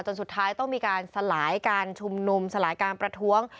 สุดท้ายต้องมีการสลายการชุมนุมสลายการประท้วง